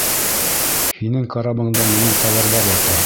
Һинең карабыңда минең тауарҙар ята.